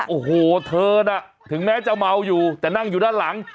โอ้โหเธอน่ะถึงแม้จะเมาอยู่แต่นั่งอยู่ด้านหลัง